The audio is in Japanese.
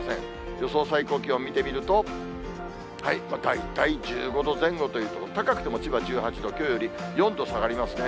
予想最高気温見てみると、大体１５度前後というところ、高くても千葉１８度、きょうより４度下がりますね。